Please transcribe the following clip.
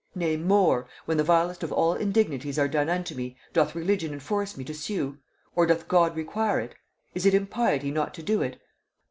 Nay more, when the vilest of all indignities are done unto me, doth religion enforce me to sue? or doth God require it? Is it impiety not to do it?